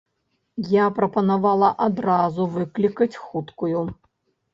Я прапанавала адразу выклікаць хуткую.